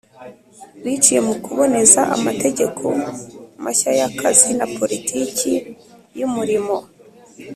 biciye mu kuboneza amategeko mashya y'akazi na politiki y'umurimo.